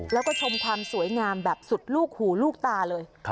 แล้วก็ชมความสวยงามแบบสุดลูกหูลูกตาเลย